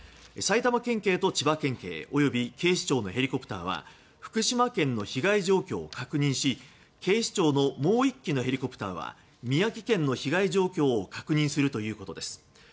埼玉県警と千葉県警及び警視庁のヘリコプターは福島県の被害状況を確認し警視庁のもう１機のヘリコプターは宮城県の被害状況を確認するということです。